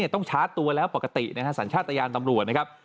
ต้องชาร์จตัวแล้วปกติสรรชาติยานตำรวจนะครับ